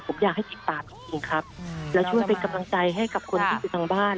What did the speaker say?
ผมอยากให้ติดตามผมเองครับและช่วยเป็นกำลังใจให้กับคนที่อยู่ทางบ้าน